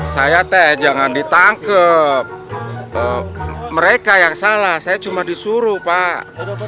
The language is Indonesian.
saya teh jangan ditangkap mereka yang salah saya cuma disuruh pak